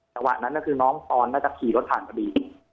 จังหวะนั้นคือน้องปอนน่าจะขี่รถผ่านพอดี